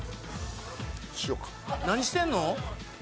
何してんの？